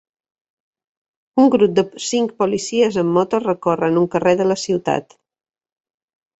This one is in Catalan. Un grup de cinc policies en moto recorren un carrer de la ciutat.